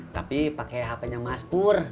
tapi pake hapenya mas pur